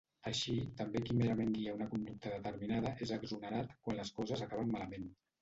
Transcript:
Així també qui merament guia una conducta determinada és exonerat quan les coses acaben malament.